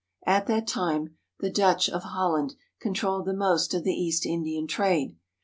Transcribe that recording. At that time the Dutch of Hol land controlled the most of the East Indian trade.